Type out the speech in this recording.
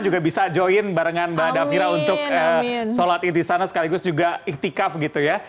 juga bisa join barengan mbak davira untuk sholat id di sana sekaligus juga ikhtikaf gitu ya